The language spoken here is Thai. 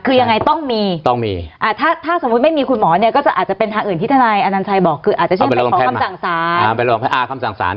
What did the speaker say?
คือยังไงต้องมีถ้าไม่มีคุณหมอเนี่ยก็จะเป็นทางอื่นที่ที่อันนันชัยบอกจะใช้เหตุผลของคำสั่งศาล